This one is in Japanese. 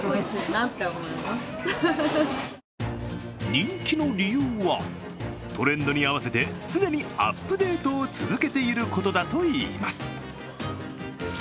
人気の理由は、トレンドに合わせて常にアップデートを続けていることだといいます。